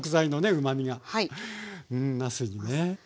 うまみがなすにね。